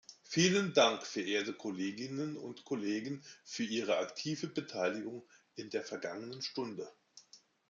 Vielen Dank, verehrte Kolleginnen und Kollegen, für Ihre aktive Beteiligung in der vergangenen Stunde.